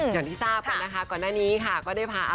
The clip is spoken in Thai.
อย่างที่ทราบก่อนหน้านี้ก็ได้พา